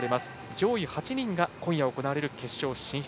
上位８人が今夜行われる決勝進出。